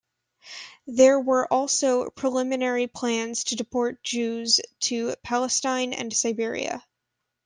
There were also preliminary plans to deport Jews to Palestine and Siberia.